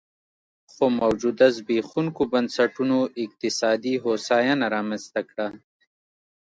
خو موجوده زبېښونکو بنسټونو اقتصادي هوساینه رامنځته کړه